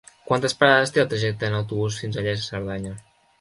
Quantes parades té el trajecte en autobús fins a Lles de Cerdanya?